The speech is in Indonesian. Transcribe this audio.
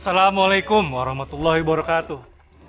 assalamu'alaikum warahmatullahi wabarakatuh